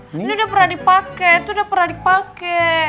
ini udah pernah dipake itu udah pernah dipake